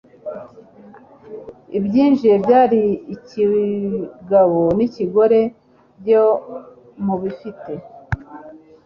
ibyinjiye byari ikigabo n ikigore byo mu bifite